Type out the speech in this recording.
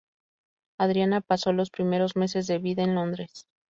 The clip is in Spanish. Adriana pasó los primeros meses de vida en Londres.